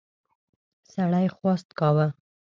سړي خواست کاوه.